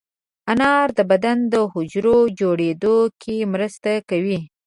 انار د بدن د حجرو جوړېدو کې مرسته کوي.